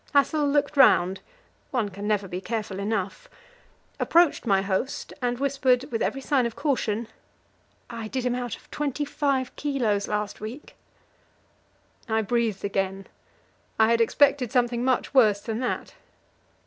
Hassel looked round one can never be careful enough approached my host, and whispered, with every sign of caution "I did him out of twenty five kilos last week." I breathed again; I had expected something much worse than that.